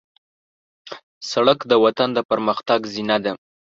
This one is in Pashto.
سړک د وطن د پرمختګ زینه ده.